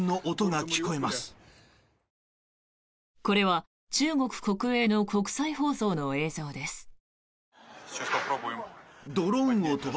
これは中国国営の国際放送の映像です。